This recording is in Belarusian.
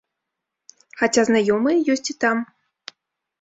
Хаця знаёмыя ёсць і там.